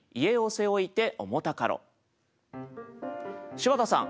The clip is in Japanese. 柴田さん